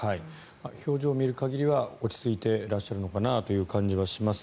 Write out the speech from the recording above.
表情を見る限りは落ち着いてらっしゃるのかなという感じはします。